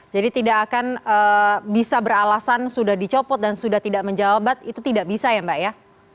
jadi tidak akan bisa beralasan sudah dicopot dan sudah tidak menjabat itu tidak bisa ya mbak ya